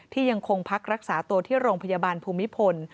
ยังคงพักรักษาตัวที่โรงพยาบาลภูมิพล